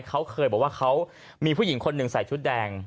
เขาเคยบอกว่าเขามีผู้หญิงคนหนึ่งใส่ชุดแดง